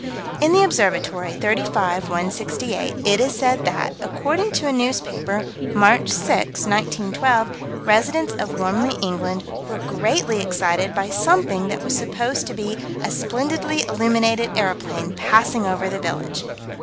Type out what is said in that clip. In the Observatory, 35 168, it is said that, according to a newspaper, March 6, 1912, residents of Warmley, England, were greatly excited by something that was supposed to be "a splendidly illuminated aeroplane, passing over the village."